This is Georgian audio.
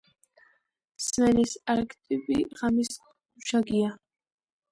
სმენის არქეტიპი ღამის გუშაგია